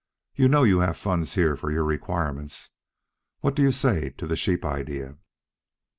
You know you have funds here for your requirements. What do you say to the sheep idea?"